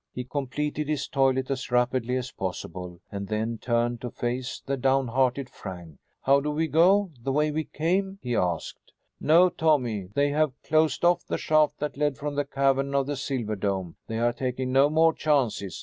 He completed his toilet as rapidly as possible and then turned to face the down hearted Frank. "How do we go? The way we came?" he asked. "No, Tommy. They have closed off the shaft that led from the cavern of the silver dome. They are taking no more chances.